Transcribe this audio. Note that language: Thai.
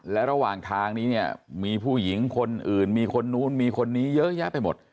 และระหว่างทางนี้เนี่ยมีผู้หญิงคนอื่นมีคนนู้นมีคนนี้เยอะแยะไปหมด